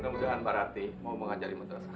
mudah mudahan pak ratih mau mengajari menterasa kami